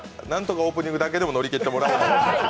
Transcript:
なんとかオープニングだけでも乗り切ってもらえれば。